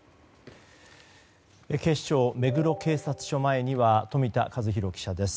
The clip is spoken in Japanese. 警視庁、目黒警察署前には冨田和裕記者です。